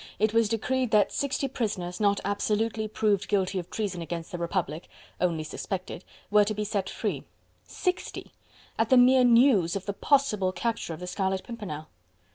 it was decreed that sixty prisoners, not absolutely proved guilty of treason against the Republic only suspected were to be set free. Sixty!... at the mere news of the possible capture of the Scarlet Pimpernel.